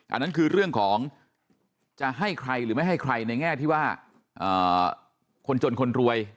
อันนั้นคือเรื่องของจะให้ใครหรือไม่ให้ใครในแง่ที่ว่าคนจนคนรวย